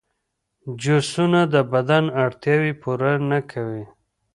جوسونه د بدن اړتیاوې پوره نه کوي.